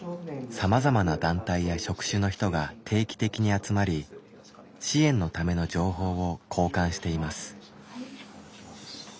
さまざまな団体や職種の人が定期的に集まり支援のための情報を交換しています。